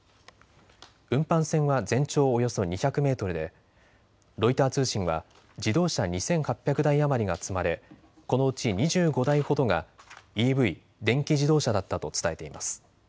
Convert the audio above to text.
運搬船は全長およそ２００メートルでロイター通信は自動車２８００台余りが積まれ、このうち２５台ほどがＥＶ・電気自動車だったと伝えています。